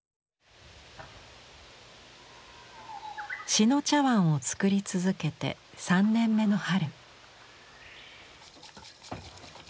志野茶碗を作り続けて３年目の春。